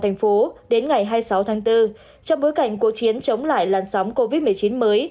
thành phố đến ngày hai mươi sáu tháng bốn trong bối cảnh cuộc chiến chống lại làn sóng covid một mươi chín mới